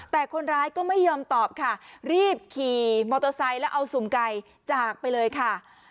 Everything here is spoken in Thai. แต่คนร้ายก็ไม่ยอมตอบค่ะรีบขี่มอเตอร์ไซค์แล้วเอาสุ่มไก่จากไปเลยค่ะ